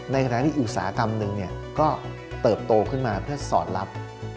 ในฐานะที่อุตสาหกรรมหนึ่งก็เติบโตขึ้นมาเพื่อสอดรับ